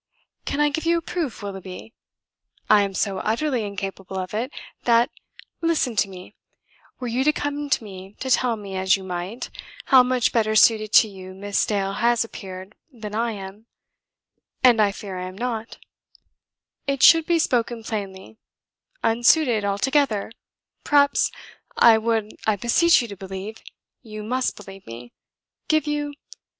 "Can I give you a proof, Willoughby? I am so utterly incapable of it that listen to me were you to come to me to tell me, as you might, how much better suited to you Miss Dale has appeared than I am and I fear I am not; it should be spoken plainly; unsuited altogether, perhaps I would, I beseech you to believe you must believe me give you